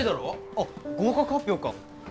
あっ合格発表か。